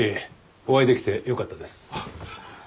お会いできてよかったです。